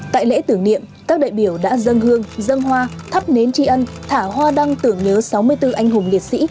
tại lễ tử nghiệm các đại biểu đã dâng hương dâng hoa thắp nến tri ân thả hoa đăng tưởng nhớ sáu mươi bốn anh hùng liệt sĩ